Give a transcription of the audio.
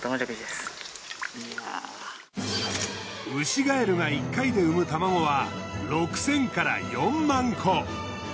ウシガエルが１回で産む卵は６千から４万個。